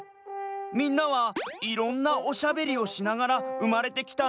みんなはいろんなおしゃべりをしながらうまれてきたんだよ。